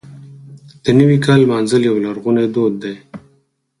د نوي کال لمانځل یو لرغونی دود دی.